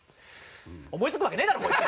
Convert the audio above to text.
思いつくわけねえだろこいつ。